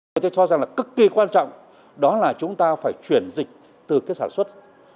tôi cho rằng là cực kỳ quan trọng đó là chúng ta phải chuyển dịch từ cái sản xuất